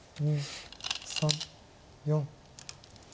２３４。